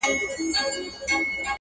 مشوره به هم مني د ګیدړانو -